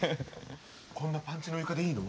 こんなパンチの床でいいの？